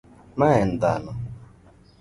ma en dhano